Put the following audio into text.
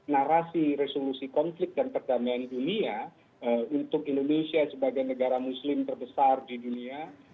narasi resolusi konflik dan perdamaian dunia untuk indonesia sebagai negara muslim terbesar di dunia